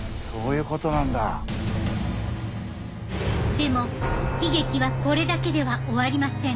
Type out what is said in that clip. でも悲劇はこれだけでは終わりません。